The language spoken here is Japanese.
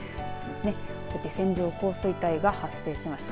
帯線状降水帯が発生しました。